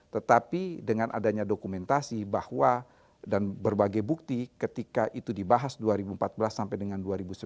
tetapi dengan adanya dokumentasi bahwa dan berbagai bukti ketika itu dibahas dua ribu empat belas sampai dengan dua ribu sembilan belas